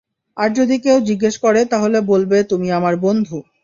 আর যদি কেউ জিজ্ঞেস করে তাহলে বলবে তুমি আমরা বন্ধু।